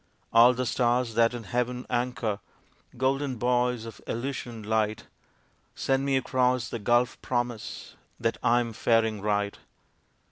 All the stars that in heaven anchor, Golden buoys of Elysian light, Send me across the gulf promise That I am faring right.